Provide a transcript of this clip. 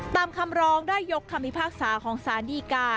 ตามคำร้องได้ยกคำพิพากษาของสารดีกา